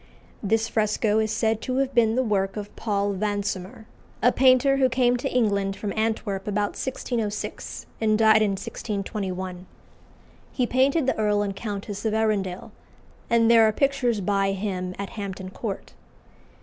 This fresco is said to have been the work of Paul Vansomer, a painter who came to England from Antwerp about 1606, and died in 1621. He painted the Earl and Countess of Arundel, and there are pictures by him at Hampton Court.